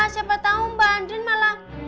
siapa tahu mbak andin malah